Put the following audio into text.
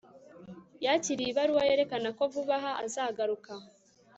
yakiriye ibaruwa yerekana ko vuba aha azagaruka